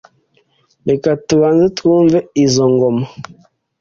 Reka tubanze twumve izo ngoma